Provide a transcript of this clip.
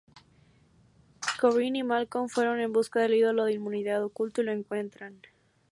Corinne y Malcolm fueron en busca del ídolo de inmunidad oculto y lo encuentran.